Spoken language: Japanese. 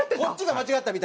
間違ってた？